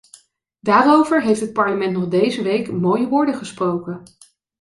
Daarover heeft het parlement nog deze week mooie woorden gesproken.